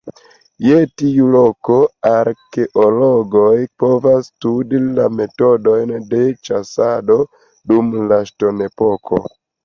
Je tiu loko arkeologoj povas studi la metodojn de ĉasado dum la ŝtonepoko.